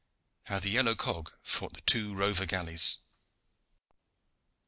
HOW THE YELLOW COG FOUGHT THE TWO ROVER GALLEYS.